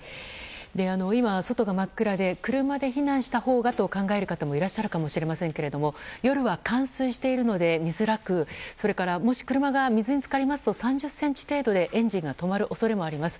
今、外が真っ暗で、車で避難したほうがと考える人もいらっしゃるかもしれませんが夜は冠水しているので見づらくもし車が水に浸かりますと３０ｃｍ程度でエンジンが止まる恐れもあります。